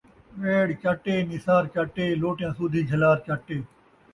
ٻیڑ چٹ ءِ، نِسار چٹ ءِ، لوٹیاں سودھی جھلار چٹ ءِ